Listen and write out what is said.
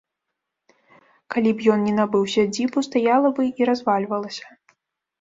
Калі б ён не набыў сядзібу, стаяла бы і развальвалася.